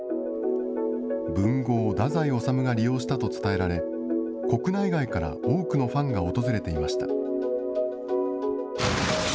文豪、太宰治が利用したと伝えられ、国内外から多くのファンが訪れていました。